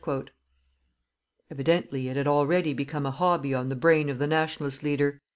Evidently it had already become a hobby on the brain of the Nationalist leader.